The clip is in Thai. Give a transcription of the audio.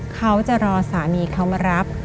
เขาจะรอสามีเขามารับ